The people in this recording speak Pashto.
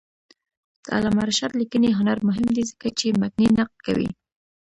د علامه رشاد لیکنی هنر مهم دی ځکه چې متني نقد کوي.